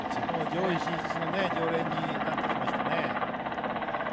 上位進出の常連になってきましたね。